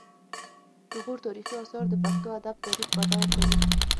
د غور تاریخي اثار د پښتو ادب تاریخ بډایه کوي